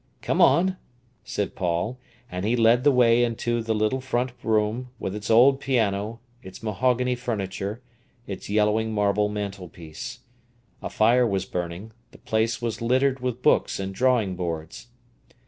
"Come on," said Paul, and he led the way into the little front room, with its old piano, its mahogany furniture, its yellowing marble mantelpiece. A fire was burning; the place was littered with books and drawing boards.